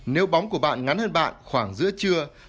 nếu bóng của bạn ngắn hơn bạn khoảng giữa trưa